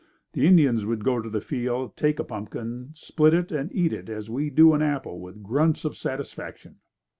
The Indians would go to the field, take a pumpkin, split it and eat it as we do an apple with grunts of satisfaction.